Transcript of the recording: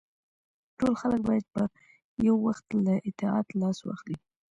ټول خلک باید په یو وخت له اطاعت لاس واخلي.